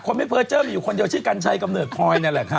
คุ้นไม่เปอร์เจอร์มีอยู่คนเดียวชื่อกันชัยกับเมือเกรอีนแหละค่ะ